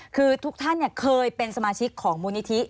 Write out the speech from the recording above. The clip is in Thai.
คือทุกท่านเคยเป็นสมาชิกของมูลนิธิ